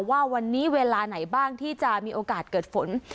ว่าวันนี้เวลาไหนบ้างที่จะมีโอกาสเกิดฝน